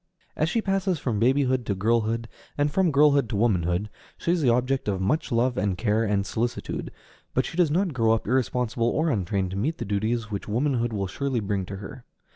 As she passes from babyhood to girlhood, and from girlhood to womanhood, she is the object of much love and care and solicitude; but she does not grow up irresponsible or untrained to meet the duties which womanhood will surely bring to her.